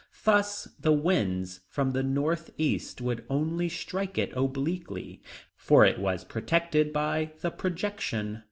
Thus the winds from the northeast would only strike it obliquely, for it was protected by the projection.